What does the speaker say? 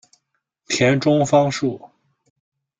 田中芳树。